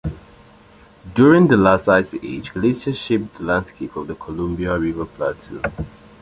During the last ice age glaciers shaped the landscape of the Columbia River Plateau.